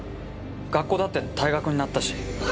学校だって退学になったし。